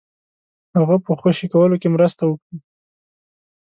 هغه په خوشي کولو کې مرسته وکړي.